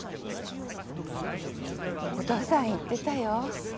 お父さん言ってたよ。